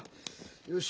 よし。